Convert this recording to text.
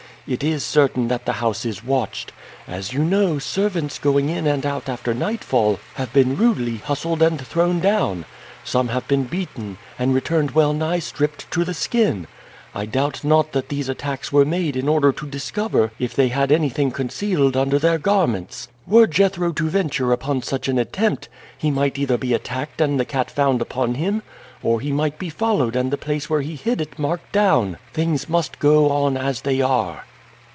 It is certain that the house is watched. As you know, servants going in and out after nightfall have been rudely hustled and thrown down. Some have been beaten, and returned well nigh stripped to the skin. I doubt not that these attacks were made in order to discover if they had anything concealed under their garments. Were Jethro to venture upon such an attempt he might either be attacked and the cat found upon him, or he might be followed and the place where he hid it marked down. Things must go on as they are."